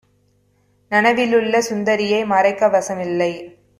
நனவிலுள்ள சுந்தரியை மறைக்க வசமில்லை!